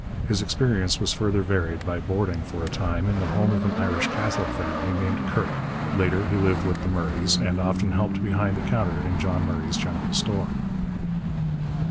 His experience was further varied by boarding for a time in the home of an Irish Catholic family named Kirk. Later, he lived with the Murrays, and often helped behind the counter in John Murray's general store.